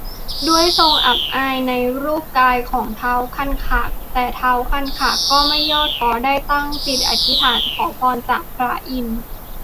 ด้วยทรงอับอายในรูปกายของท้าวคันคาก แต่ท้าวคันคากก็ไม่ย่อท้อ ได้ตั้งจิตอธิษฐานขอพรจากพระอินทร์